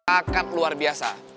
akan luar biasa